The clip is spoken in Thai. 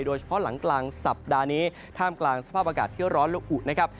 หลังกลางสัปดาห์นี้ท่ามกลางสภาพอากาศที่ร้อนและอุนะครับ